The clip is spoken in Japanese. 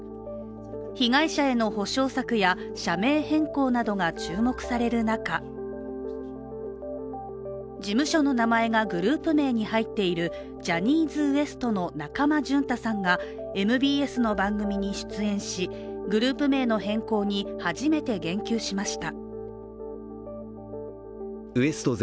被害者への補償策や社名変更などが注目される中、事務所の名前がグループ名に入っているジャニーズＷＥＳＴの中間淳太さんが、ＭＢＳの番組に出演しグループ名の変更に初めて言及しました。